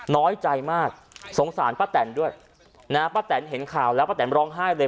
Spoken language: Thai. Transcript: น้อยใจมากสงสารป้าแตนด้วยนะฮะป้าแตนเห็นข่าวแล้วป้าแตนร้องไห้เลย